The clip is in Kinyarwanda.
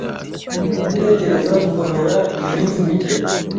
Ndatekereza gukomera kuminsi mike.